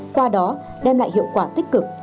qua đó đem lại hiệu quả tích cực